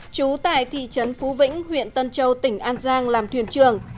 trú tại thị trấn phú vĩnh huyện tân châu tỉnh an giang làm thuyền trường